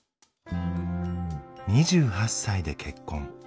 ２８歳で結婚。